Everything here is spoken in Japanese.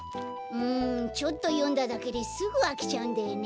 うんちょっとよんだだけですぐあきちゃうんだよね。